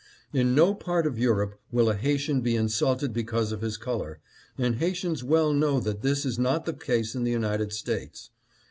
In no part of Europe will a Haitian be insulted because of his color, and Haitians well know that this is not the case in the United States.